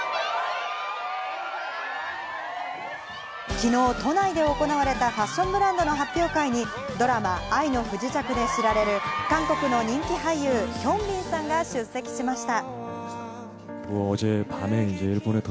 昨日、都内で行われたファッションブランドの発表会に、ドラマ『愛の不時着』で知られる韓国の人気俳優・ヒョンビンさんが出席しました。